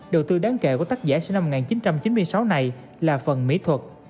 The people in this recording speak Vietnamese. đầu tư đáng kể của tác giả sinh năm một nghìn chín trăm chín mươi sáu này là phần mỹ thuật